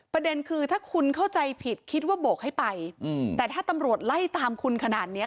ประเด็นคือถ้าคุณเข้าใจผิดคิดว่าโบกให้ไปแต่ถ้าตำรวจไล่ตามคุณขนาดเนี้ย